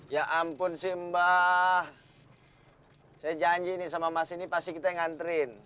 ya ampun sih mbak saya janji nih sama mas ini pasti kita yang nganterin